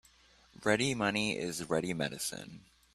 Ready money is ready medicine.